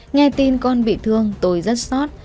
nghe tin con bị thương tôi rất xót